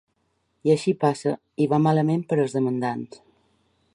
I així passa, i va malament per als demandants.